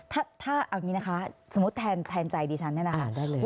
ถ้าเอาอย่างนี้นะคะสมมุติแทนใจดีฉันนะครับ